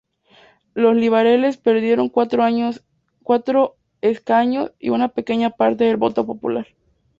Los liberales perdieron cuatro escaños y una pequeña parte del voto popular.